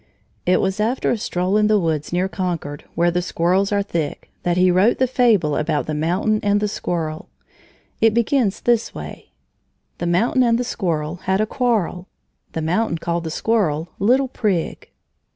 It was after a stroll in the woods near Concord, where the squirrels are thick, that he wrote the fable about the mountain and the squirrel. It begins this way: "The Mountain and the Squirrel Had a quarrel. The Mountain called the Squirrel 'Little Prig' " [Illustration: He generally went out alone. _Page 221.